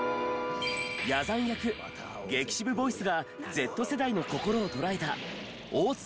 ヤザン役激渋ボイスがＺ世代の心を捉えた大塚芳忠。